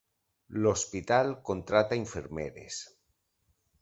L'hospital contracta infermeres.